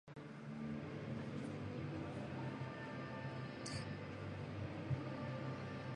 Erlijioa errealitatetik alde egiteko asmatzen dugu.